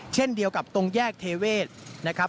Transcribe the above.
เช่นเดียวกับตรงแยกเทเวศนะครับ